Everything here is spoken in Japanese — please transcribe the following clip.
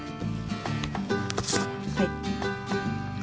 はい。